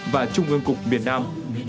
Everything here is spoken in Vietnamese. và trung ương cục miền nam